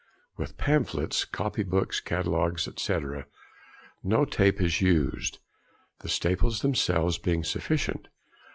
With pamphlets, copy books, catalogues, &c., no tape is used, the staples themselves being sufficient.